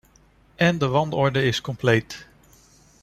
En de wanorde is compleet.